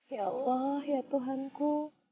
ya allah ya tuhanku